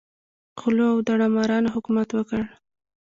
غلو او داړه مارانو حکومت وکړ.